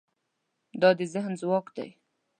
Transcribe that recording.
دا د ذهن ځواک دی.